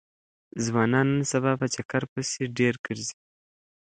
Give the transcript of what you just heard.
ځوانان نن سبا په چکر پسې ډېر ګرځي.